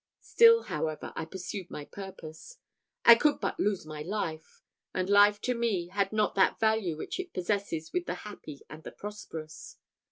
Still, however, I pursued my purpose. I could but lose my life and life to me had not that value which it possesses with the happy and the prosperous.